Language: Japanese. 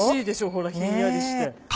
ほらひんやりして。